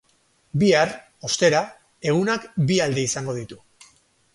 Bihar, ostera, egunak bi alde izango ditu.